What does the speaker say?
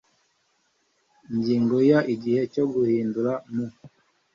Ingingo ya Igihe cyo guhinduza mu